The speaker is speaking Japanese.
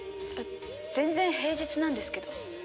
全然平日なんですけど。